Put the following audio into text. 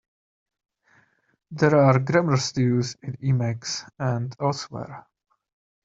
There are grammars to use in Emacs and elsewhere.